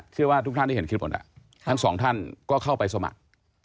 เชื่อว่าทุกท่านได้เห็นคลิปเหมือนกันทั้ง๒ท่านก็เข้าไปสมัคร